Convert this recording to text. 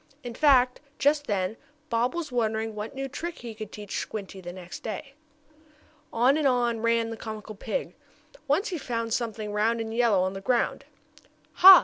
In fact, just then, Bob was wondering what new trick he could teach Squinty the next day. On and on ran the comical pig. Once he found something round and yellow on the ground. "Ha!